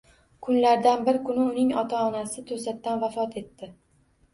Kunlardan bir kuni uning ota-onasi to`satdan vafot etdi